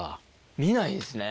見ないですね。